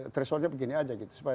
thresholdnya begini aja gitu